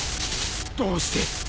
どうして。